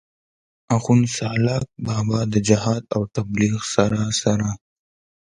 آخون سالاک بابا د جهاد او تبليغ سره سره